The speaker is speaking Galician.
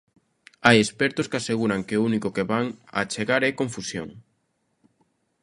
Hai expertos que aseguran que o único que van achegar é confusión.